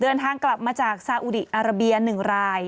เดินทางกลับมาจากซาอุดีอาราเบีย๑ราย